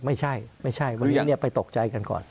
ไม่ใช่ไม่ใช่วันนี้ไปตกใจกันก่อน